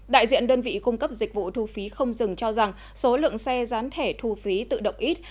đại diện đơn vị cung cấp dịch vụ thu phí không dừng cho rằng số lượng xe gián thẻ thu phí tự động ít